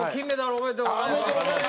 ありがとうございます。